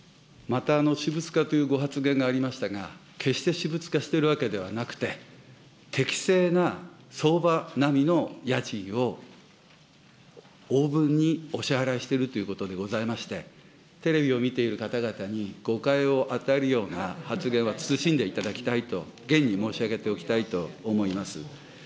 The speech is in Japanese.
また私物化というご発言がありましたが、決して私物化しているわけではなくて、適正な相場並みの家賃を、応分にお支払いしているということでございまして、テレビを見ている方々に誤解を与えるような発言は慎んでいただきたいと、厳に申し上げておきたいと思います。